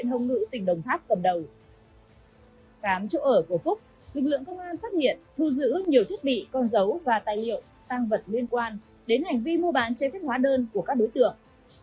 tăng vật liên quan đến hành vi mua bán trái phép hóa đơn của các đối tượng